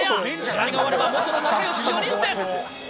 試合が終わればもとの仲よし４人です。